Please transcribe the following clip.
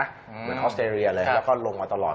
เหมือนออสเตรเลียเลยแล้วก็ลงมาตลอด